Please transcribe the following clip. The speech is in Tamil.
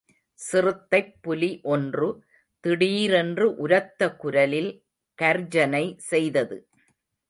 சிறுத்தைப் புலி ஒன்று திடீரென்று உரத்த குரலில் கர்ஜனை செய்தது.